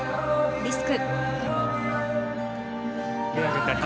リスク。